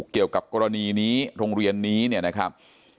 เกี่ยวกับกรณีนี้โรงเรียนนี้เนี่ยนะครับ